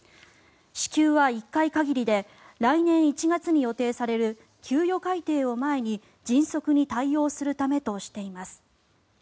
支給は１回限りで来年１月に予定される給与改定を前に迅速に対応するためとしています。